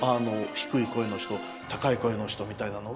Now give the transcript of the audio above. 低い声の人高い声の人みたいなのが。